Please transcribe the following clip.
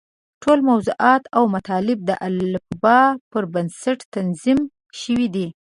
ټول موضوعات او مطالب د الفباء پر بنسټ تنظیم شوي دي.